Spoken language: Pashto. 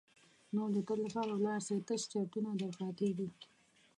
نور د تل لپاره ولاړ سي تش چرتونه در پاتیږي.